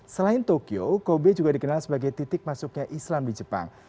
selain tokyo kobe juga dikenal sebagai titik masuknya islam di jepang